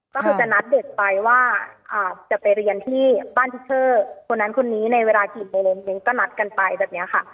ก็คือจะนัดเด็กไปว่าอ่าจะไปเรียนที่บ้านพิเศษคนนั้นคนนี้ในเวลากินในเร็วนี้ก็นัดกันไปแบบเนี้ยค่ะ